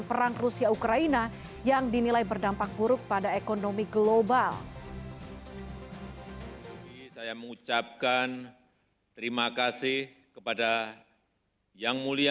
baiklah dengan ini